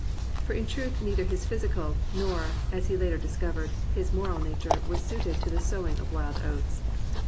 For in truth neither his physical, nor (as he later dis covered) his moral, nature was suited to the sowing of wild oats.